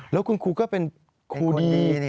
แล้วคุณครูก็เป็นครูดี